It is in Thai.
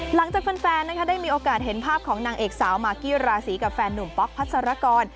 หลังจากแฟนได้มีโอกาสเห็นภาพของนางเอกสาวมากกี้ราศีกับแฟนหนุ่มป๊อกพัศรกร